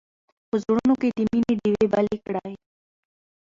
په زړونو کې د مینې ډېوې بلې کړئ.